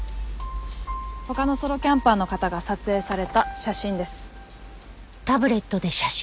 他のソロキャンパーの方が撮影された写真です。